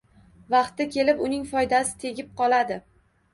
Vaqti kelib, uning foydasi tegib qoladi.